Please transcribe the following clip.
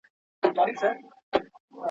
نه زما زخم د لکۍ سي جوړېدلای.